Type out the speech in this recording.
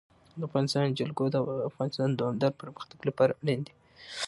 د افغانستان جلکو د افغانستان د دوامداره پرمختګ لپاره اړین دي.